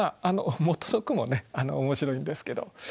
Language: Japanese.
元の句もね面白いんですけど。